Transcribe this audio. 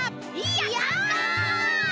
やった！